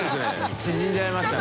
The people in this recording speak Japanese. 縮んじゃいましたね。